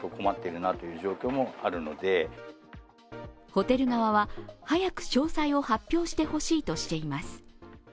ホテル側は早く詳細を発表してほしいとしています。